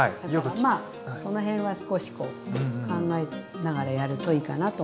まあその辺は少しこう考えながらやるといいかなと思いますね。